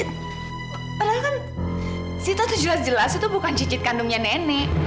padahal kan sita tuh jelas jelas itu bukan cicit kandungnya nenek